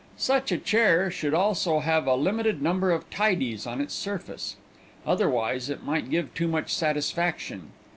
Such a chair should also have a limited number of tidies on its surface. Otherwise it might give too much satisfaction.